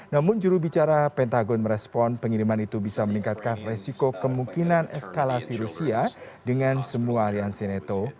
namun jurubicara pentagon merespon pengiriman itu bisa meningkatkan resiko kemungkinan eskalasi rusia dengan semua aliansi neto